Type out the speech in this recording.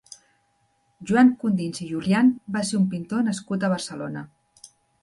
Joan Condins i Julián va ser un pintor nascut a Barcelona.